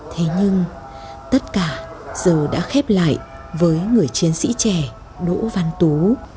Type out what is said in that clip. thế nhưng tất cả giờ đã khép lại với người chiến sĩ trẻ đỗ văn tú